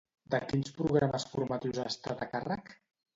De quins programes formatius ha estat a càrrec?